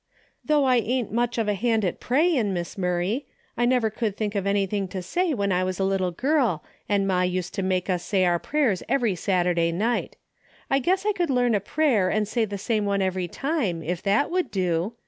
" Though I ain't much of a hand at pra^dn', Miss Murray, I never could think of anything to say when I was a little girl, and ma used to make us say our prayers every Saturday night. I guess I could learn a prayer and say the same one every time, if that would do.